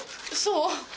そう。